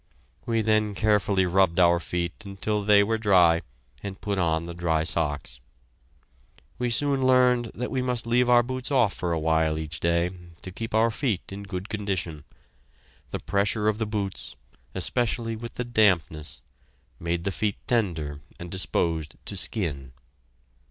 We then carefully rubbed our feet until they were dry, and put on the dry socks. We soon learned that we must leave our boots off for a while each day, to keep our feet in good condition. The pressure of the boots, especially with the dampness, made the feet tender and disposed to skin.